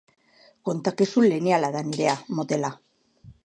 Kontakizun lineala da nirea, motela.